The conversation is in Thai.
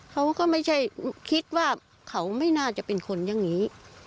เขาก็ไม่ใช่คิดว่าเขาไม่น่าจะเป็นคนอย่างนี้